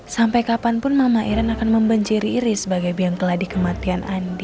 sampai kapanpun mama iren akan membenci riri sebagai biang keladi kematian andi